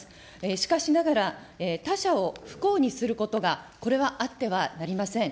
しかしながら、他者を不幸にすることが、これはあってはなりません。